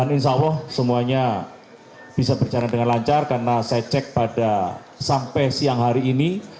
dan insya allah semuanya bisa berjalan dengan lancar karena saya cek pada sampai siang hari ini